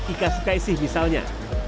ika sukaisih misalnya